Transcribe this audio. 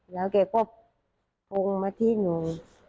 แล้วเขาก็พงมาที่หนู